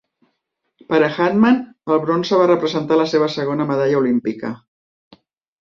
Per a Hagman, el bronze va representar la seva segona medalla olímpica.